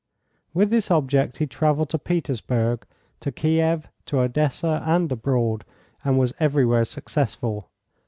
With this object he travelled to Petersburg, to Kiev, to Odessa and abroad, and was everywhere successful.